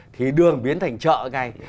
thì đường biến thành chợ ngay